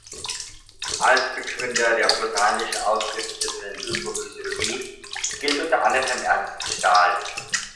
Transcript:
Als Begründer der botanisch ausgerichteten Ökophysiologie gilt unter anderen Ernst Stahl.